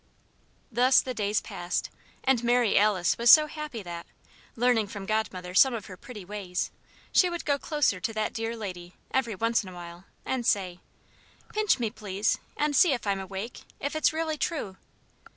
Thus the days passed, and Mary Alice was so happy that learning from Godmother some of her pretty ways she would go closer to that dear lady, every once in a while, and say: "Pinch me, please and see if I'm awake; if it's really true."